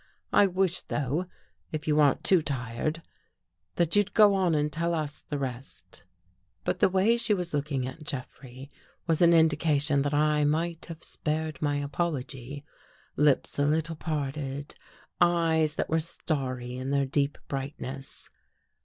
I wish, though, if you aren't too tired, that you'd go on and tell us the rest." But the way she was looking at Jeffrey was an indication that I might have spared my apology. 296 THE WATCHERS AND THE WATCHED Lips a little parted, eyes that were starry in their deep brightness.